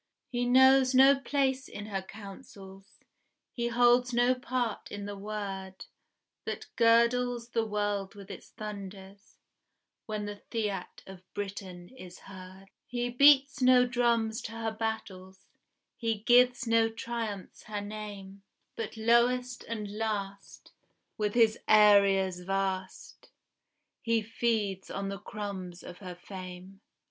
He knows no place in her councils, He holds no part in the word That girdles the world with its thunders When the fiat of Britain is heard: He beats no drums to her battles, He gives no triumphs her name, But lowest and last, with his areas vast, He feeds on the crumbs of her fame.